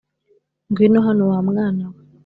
Ngwino hano wa mwana we